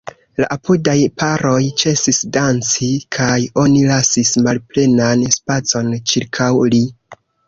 La apudaj paroj ĉesis danci, kaj oni lasis malplenan spacon ĉirkaŭ li.